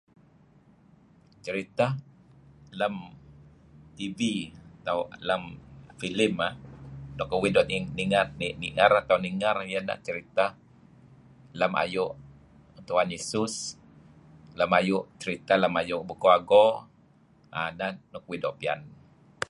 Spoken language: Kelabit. Seriteh lem TV filem uih doo' pian nier ninger iyeh ineh lem ayu Tuhan Yesus ceriteh lem ayu' Bukuh Ago nganeh uih doo' piyan.